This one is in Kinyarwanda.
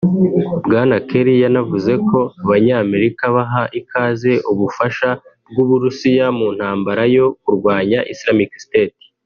Bwana Kerry yanavuze ko Abanyamerika baha ikaze ubufasha bw’Uburusiya mu ntambara yo kurwanya Islamic State